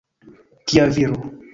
Kia viro!